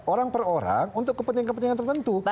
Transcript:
orang per orang untuk kepentingan kepentingan tertentu